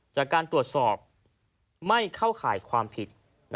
จากการตรวจสอบไม่เข้าข่ายความผิด